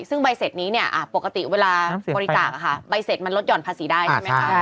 ซึ่งใบเสร็จนี้เนี่ยปกติเวลาบริจาคใบเสร็จมันลดห่อนภาษีได้ใช่ไหมคะ